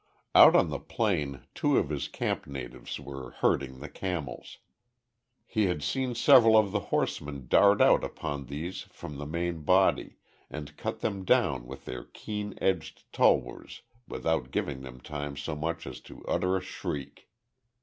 Out on the plain two of his camp natives were herding the camels. He had seen several of the horsemen dart out upon these from the main body, and cut them down with their keen edged tulwars without giving them time so much as to utter a shriek.